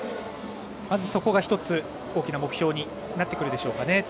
まずそこが１つ大きな目標になってくるでしょうかね